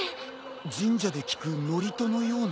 神社で聞く祝詞のような。